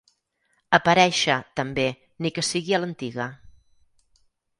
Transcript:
Aparèixer, també, ni que sigui a l'antiga.